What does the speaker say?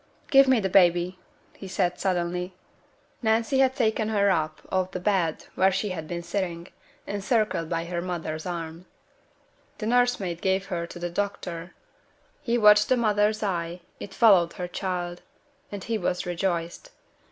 'Give me baby!' he said, suddenly. Nancy had taken her up off the bed where she had been sitting, encircled by her mother's arm. The nursemaid gave her to the doctor. He watched the mother's eye, it followed her child, and he was rejoiced.